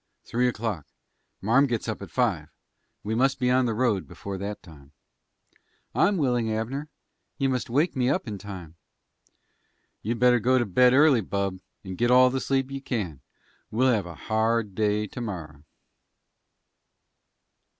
"Three o'clock. Marm gets up at five. We must be on the road before that time." "I'm willing, Abner. You must wake me up in time." "You'd better go to bed early, bub, and git all the sleep you can. We'll have a hard day to morrer."